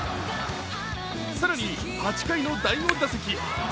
更に８回の第５打席。